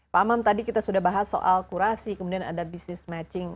pak amam tadi kita sudah bahas soal kurasi kemudian ada business matching